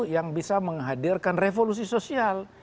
yang bisa menghadirkan revolusi sosial